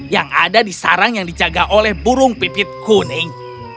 yang ada di sarang yang dijaga oleh burung pipit kuning